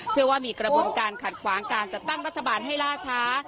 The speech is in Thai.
เชื่อว่ามีกระบวนการขัดขวางการจัดตั้งรัฐบาลให้ล่าช้า